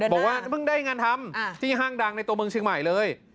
บอกว่าเพิ่งได้งานทำที่ห้างดังในตัวเมืองเชียงใหม่เลย